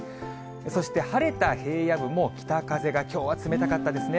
そして晴れた平野部も北風がきょうは冷たかったですね。